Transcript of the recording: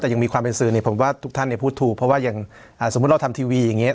แต่ยังมีความเป็นสื่อเนี่ยผมว่าทุกท่านเนี่ยพูดถูกเพราะว่าอย่างสมมุติเราทำทีวีอย่างนี้